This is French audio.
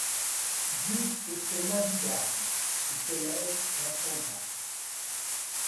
Dieu te fait navigable et te laisse insondable ;